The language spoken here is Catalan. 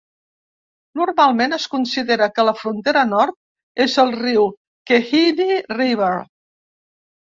Normalment es considera que la frontera nord és el riu Klehini River.